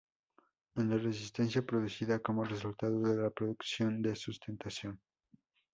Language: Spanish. Es la resistencia producida como resultado de la producción de sustentación.